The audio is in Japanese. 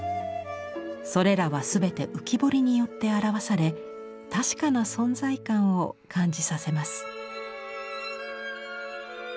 それらは全て浮き彫りによって表され確かな存在感を感じさせます。